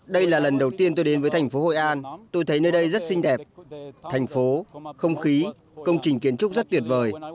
đây là lần đầu tiên tôi đến với thành phố hội an tôi thấy nơi đây rất xinh đẹp thành phố không khí công trình kiến trúc rất tuyệt vời